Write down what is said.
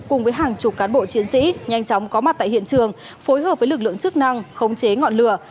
cùng với hàng chục cán bộ chiến sĩ nhanh chóng có mặt tại hiện trường phối hợp với lực lượng chức năng khống chế ngọn lửa